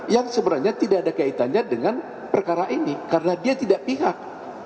yang sebenarnya tidak ada kaitannya dengan perkara ini karena dia tidak pihak